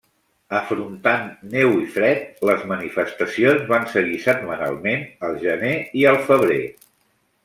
Afrontant neu i fred, les manifestacions van seguir setmanalment al gener i al febrer.